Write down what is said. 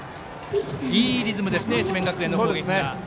いいリズムですね智弁学園の攻撃が。